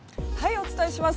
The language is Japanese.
お伝えします。